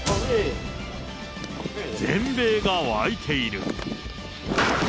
全米が沸いている。